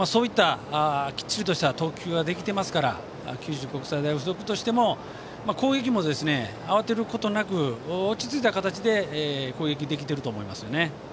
きっちりとした投球ができていますから九州国際大付属としても攻撃も慌てることなく落ち着いた形で攻撃できていると思いますね。